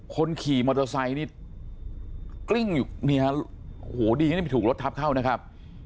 คนขี่มอเตอร์ไซค์นี่กลิ้งอยู่นี่ฮะโอ้โหดีนี่ไม่ถูกรถทับเข้านะครับ